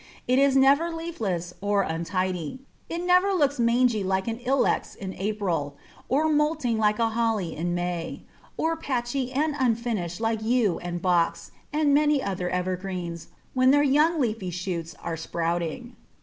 It is never leafless or untidy; it never looks mangy like an Ilex in April, or moulting like a Holly in May, or patchy and unfinished like Yew and Box and many other evergreens when their young leafy shoots are sprouting.